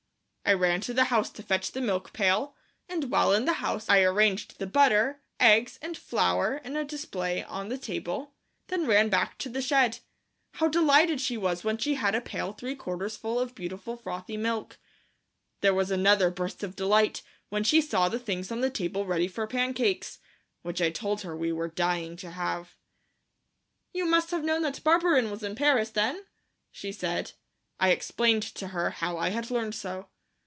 I ran to the house to fetch the milk pail, and while in the house I arranged the butter, eggs, and flour in a display on the table, then ran back to the shed. How delighted she was when she had a pail three quarters full of beautiful frothy milk. There was another burst of delight when she saw the things on the table ready for pancakes, which I told her we were dying to have. "You must have known that Barberin was in Paris, then?" she said. I explained to her how I had learned so.